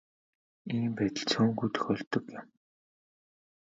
Ийм байдал цөөнгүй тохиолддог юм.